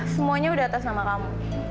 semuanya udah atas nama kamu